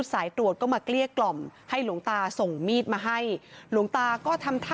สวัสดีครับหลุมพ่อ